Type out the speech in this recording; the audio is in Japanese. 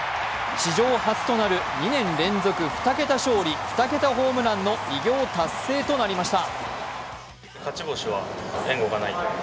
史上初となる２年連続、２桁勝利、２桁ホームランの偉業達成となりました。